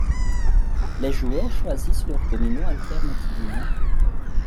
Les joueurs choisissent leur domino alternativement.